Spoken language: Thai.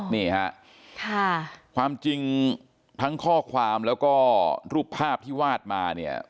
นี่ฮะค่ะความจริงทั้งข้อความแล้วก็รูปภาพที่วาดมาเนี่ย